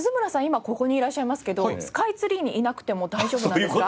今ここにいらっしゃいますけどスカイツリーにいなくても大丈夫なんですか？